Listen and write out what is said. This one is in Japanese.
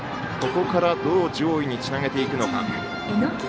ここからどう上位につなげていくのか。